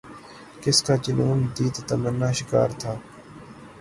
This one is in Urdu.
کس کا جنون دید تمنا شکار تھا